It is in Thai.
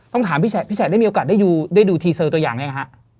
ต้องถามพี่แฉดพี่แฉดได้มีโอกาสได้ดูทีเซอร์ตัวอย่างนี้ไหมคะ